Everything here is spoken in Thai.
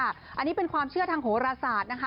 อันนี้เป็นความเชื่อทางโหรศาสตร์นะคะ